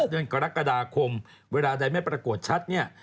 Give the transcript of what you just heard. เดือนกรกฎาคมเวลาใดไม่ปรากฏชัดเนี่ย